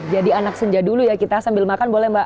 jadi anak senja dulu ya kita sambil makan boleh mbak